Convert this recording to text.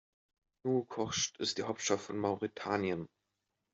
Nouakchott ist die Hauptstadt von Mauretanien.